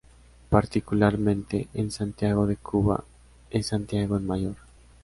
Particularmente, en Santiago de Cuba, es Santiago el Mayor.